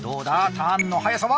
ターンの速さは？